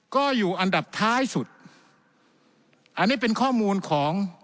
ก็อยู่อันดับท้ายสุดอันนี้เป็นข้อมูลของ